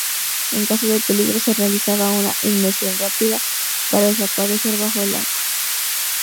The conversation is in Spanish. En caso de peligro se realizaba una inmersión rápida para desaparecer bajo el agua.